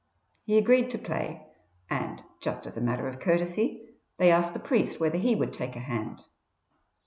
He agreed to play, and, just as a matter of courtesy, they asked the priest whether he would take a hand.